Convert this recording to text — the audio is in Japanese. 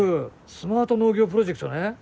スマート農業プロジェクトね。